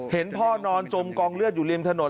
เห็นพ่อนอนจมกองเลือดอยู่ริมถนน